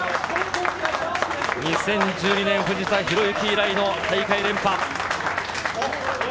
２０１２年、藤田寛之以来の大会連覇！